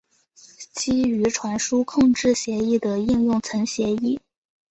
基于传输控制协议的应用层协议。